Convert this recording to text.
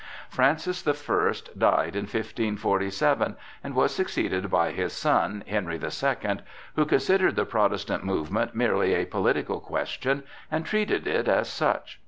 Francis the First died in 1547 and was succeeded by his son, Henry the Second, who considered the Protestant movement merely a political question, and treated it as such.